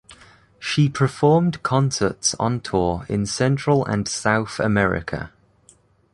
She performed concerts on tour in Central and South America.